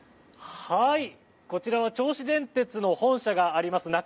こちらは銚子電鉄の本社があります